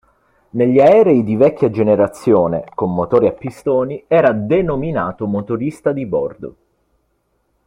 Negli aerei di vecchia generazione, con motori a pistoni, era denominato "motorista di bordo".